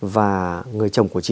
và người chồng của chị